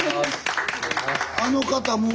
あの方も。